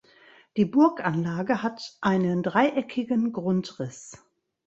Die Burganlage hat einen dreieckigen Grundriss.